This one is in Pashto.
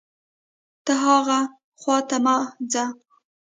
ته هاغې خوا ته مه ځه